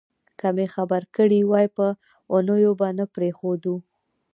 که مې خبر کړي وای په اوونیو به نه پرېښودو.